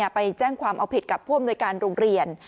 ไปแจ้งความเอาผิดกับผู้อำนวยการโรงเรียน